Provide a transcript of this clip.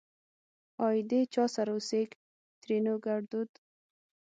آئيدې چا سره اوسيږ؛ ترينو ګړدود